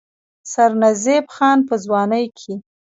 سرنزېب خان پۀ ځوانۍ کښې